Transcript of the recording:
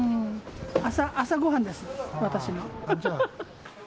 朝ごはんです、私の。